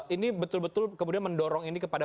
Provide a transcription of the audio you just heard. ini betul betul kemudian mendorong ini kepada